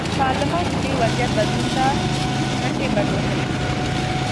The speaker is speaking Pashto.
پارلمان د دې وضعیت بدلون ته مټې بډ وهلې.